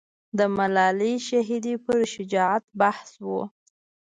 د ملالۍ شهیدې پر شجاعت بحث و.